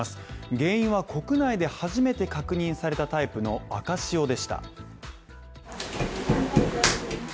原因は国内で初めて確認されたタイプの赤潮でした。